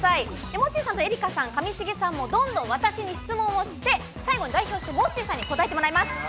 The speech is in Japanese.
モッチーさんと愛花さん、上重さんも、どんどん私に質問をして、最後に代表してモッチーさんに答えてもらいます。